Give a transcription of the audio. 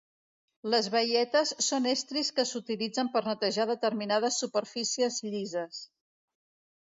Les baietes són estris que s'utilitzen per netejar determinades superfícies llises.